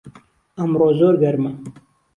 ئەمڕۆ زۆر گەرمە